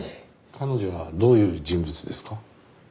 彼女はどういう人物ですか？